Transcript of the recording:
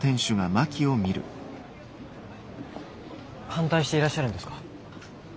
反対していらっしゃるんですか？